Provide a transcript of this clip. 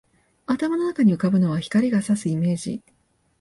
頭の中に浮ぶのは、光が射すイメージ